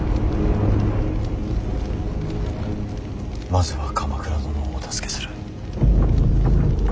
まずは鎌倉殿をお助けする。